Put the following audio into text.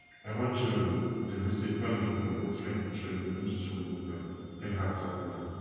Eventually, they received funding from the Israeli Trade and Industry Minister, Pinhas Sapir.